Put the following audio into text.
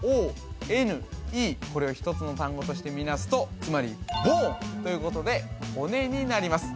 これを１つの単語としてみなすとつまりＢＯＮＥということで骨になります